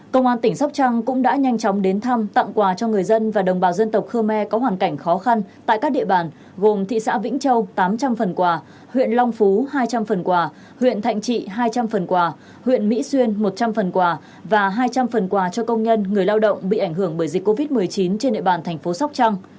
công an tỉnh sóc trăng cũng đã nhanh chóng đến thăm tặng quà cho người dân và đồng bào dân tộc khơ me có hoàn cảnh khó khăn tại các địa bàn gồm thị xã vĩnh châu tám trăm linh phần quà huyện long phú hai trăm linh phần quà huyện thạnh trị hai trăm linh phần quà huyện mỹ xuyên một trăm linh phần quà và hai trăm linh phần quà cho công nhân người lao động bị ảnh hưởng bởi dịch covid một mươi chín trên địa bàn thành phố sóc trăng